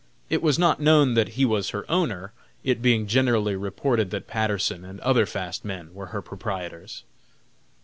It was not known that he was her owner, it being generally reported that Patterson and other fast men were her proprietors.